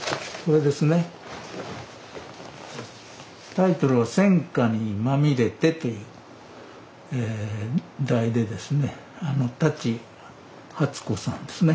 タイトルは「戦禍にまみれて」という題でですね舘初子さんですね。